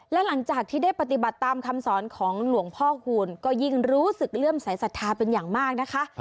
และหลังจากที่ได้ปฏิบัติตามคำสอนของหลวงพ่อคูณก็ยิ่งรู้สึกเลื่อมสายศรัทธาเป็นอย่างมากนะคะ